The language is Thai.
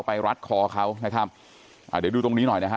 รัดคอเขานะครับอ่าเดี๋ยวดูตรงนี้หน่อยนะฮะ